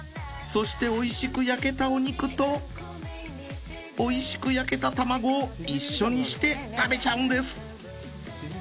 そしておいしく焼けたお肉とおいしく焼けた卵を一緒にして食べちゃうんです。